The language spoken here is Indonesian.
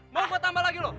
mau gua tambah lagi lu